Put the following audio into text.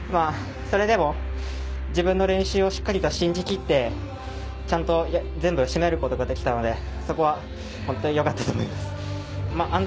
それでも自分の練習を信じきってちゃんと全部締めることができたのでそこは本当によかったと思います。